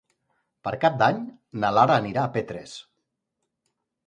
Per Cap d'Any na Lara anirà a Petrés.